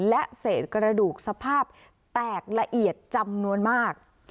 และเศษกระดูกสภาพแตกละเอียดจำนวนมาก